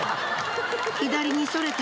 左にそれた！